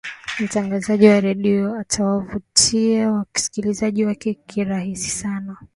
mtangazaji wa redio atawavutia wasikilizaji wake kirahisi sana